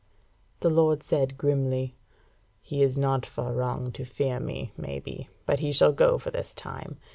The lord said, grimly: "He is not far wrong to fear me, maybe: but he shall go for this time.